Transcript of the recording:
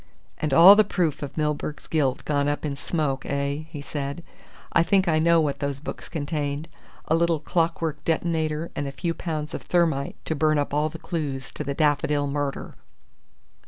"And all the proof of Milburgh's guilt gone up in smoke, eh?" he said. "I think I know what those books contained a little clockwork detonator and a few pounds of thermite to burn up all the clues to the Daffodil Murder!"